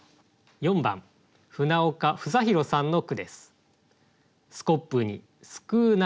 ４番船岡房公さんの句です。